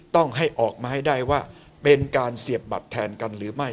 ต้องให้ออกมาให้ได้ว่าเป็นการเสียบบัตรแทนกันหรือไม่